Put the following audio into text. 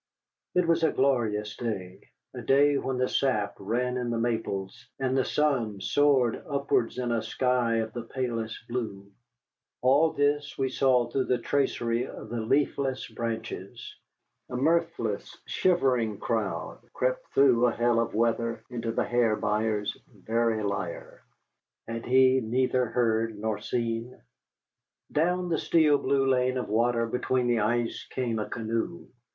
It was a glorious day, a day when the sap ran in the maples, and the sun soared upwards in a sky of the palest blue. All this we saw through the tracery of the leafless branches, a mirthless, shivering crowd, crept through a hell of weather into the Hair Buyer's very lair. Had he neither heard nor seen? Down the steel blue lane of water between the ice came a canoe.